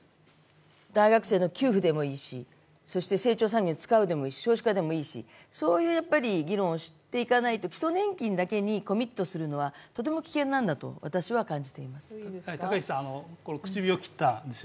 大学生の給付でもいいし、成長産業に使うでもいいし、少子化でもいいしそういう議論をしていかないと基礎年金だけにコミットするのはとても危険だと思います。